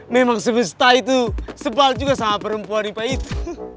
memang semesta itu sebal juga sama perempuan ipa itu